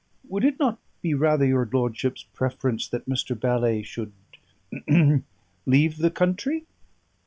Would it not be rather your lordship's preference that Mr. Bally should ahem should leave the country?"